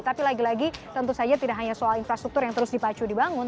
tapi lagi lagi tentu saja tidak hanya soal infrastruktur yang terus dipacu dibangun